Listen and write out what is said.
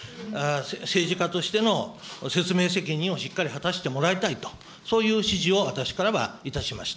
政治家としての説明責任をしっかり果たしてもらいたいと、そういう指示を私からはいたしました。